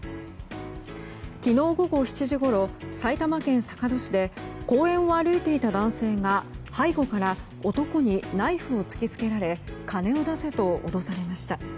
昨日午後７時ごろ埼玉県坂戸市で公園を歩いていた男性が背後から男にナイフを突きつけられ金を出せと脅されました。